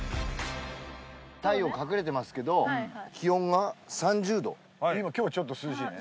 太陽隠れてますけど気温が３０度今日はちょっと涼しいね